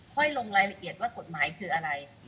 ลงรายละเอียดว่ากฎหมายคืออะไร